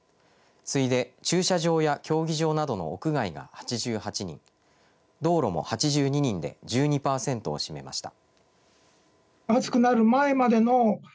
次いで駐車場や競技場などの屋外が８８人道路も８２人で１２パーセントを占めました。